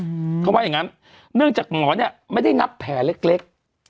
เพราะว่าอย่างงั้นเนื่องจากหมอเนี่ยไม่ได้นับแผลเล็ก